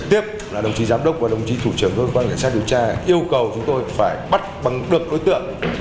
đồng chí giám đốc và đồng chí thủ trưởng của quán cảnh sát điều tra yêu cầu chúng tôi phải bắt bắn được đối tượng